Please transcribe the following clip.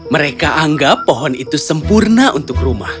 mereka anggap pohon itu sempurna untuk rumah